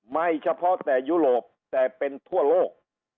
ไม่เฉพาะแต่ยุโรปแต่เป็นทั่วโลก